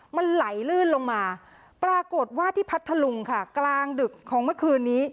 มันไหลลื่นลงมาปรากฏว่าที่พัทธลุงค่ะกลางดึกของเมื่อคืนนี้